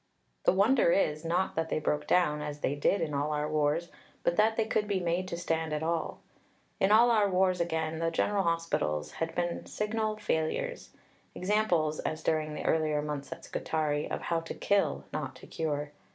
The wonder is, not that they broke down, as they did in all our wars, but that they could be made to stand at all. In all our wars, again, the general hospitals had been signal failures examples, as during the earlier months at Scutari, of how to kill, not to cure.